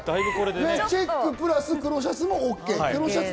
チェックプラス黒シャツＯＫ。